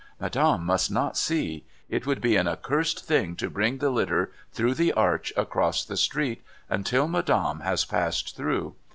Madame must not see. It would be an accursed thing to bring the litter through the arch across the street, until Madame has passed through.